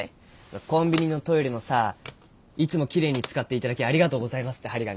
コンビニのトイレのさ「いつもきれいに使って頂きありがとうございます」ってはり紙。